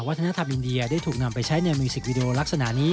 วัฒนธรรมอินเดียได้ถูกนำไปใช้ในมิวสิกวิดีโอลักษณะนี้